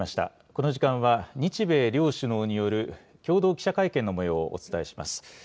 この時間は、日米両首脳による共同記者会見のもようをお伝えします。